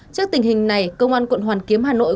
trước tình hình này công an quận hoàn kiếm hà nội